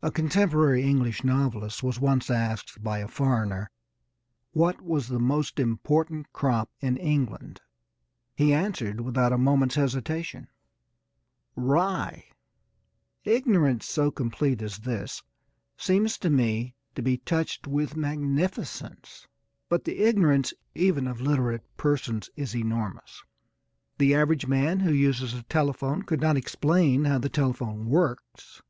A contemporary English novelist was once asked by a foreigner what was the most important crop in England. He answered without a moment's hesitation: "Rye." Ignorance so complete as this seems to me to be touched with magnificence; but the ignorance even of illiterate persons is enormous. The average man who uses a telephone could not explain how a telephone works.